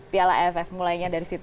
piala aff mulainya dari situ